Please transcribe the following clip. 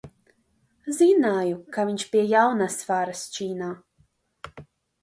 Zināju, ka viņš pie jaunās varas činā.